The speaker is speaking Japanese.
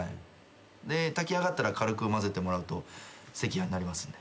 で炊き上がったら軽くまぜてもらうと赤飯になりますんで。